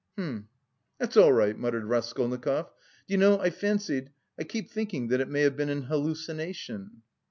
"Hm!... that's all right," muttered Raskolnikov. "Do you know, I fancied... I keep thinking that it may have been an hallucination."